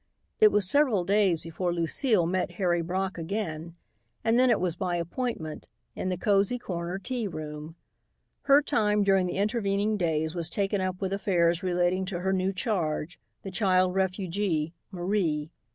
It was several days before Lucile met Harry Brock again and then it was by appointment, in the Cozy Corner Tea Room. Her time during the intervening days was taken up with affairs relating to her new charge, the child refugee, Marie.